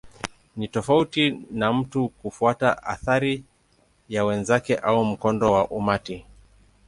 Ni tofauti na mtu kufuata athari ya wenzake au mkondo wa umati.